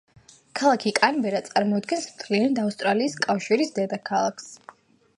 ქალაქი კანბერა წარმოადგენს მთლიანად ავსტრალიის კავშირის დედაქალაქს.